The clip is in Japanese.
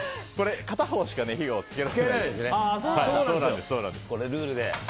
片方しか火をつけられないんです。